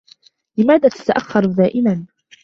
لماذا تتأخر دائما؟